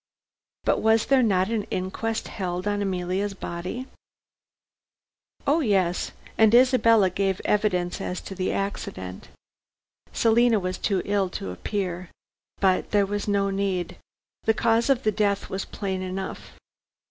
"But was there not an inquest held on Emilia's body?" "Oh yes, and Isabella gave evidence as to the accident. Selina was too ill to appear. But there was no need. The cause of the death was plain enough.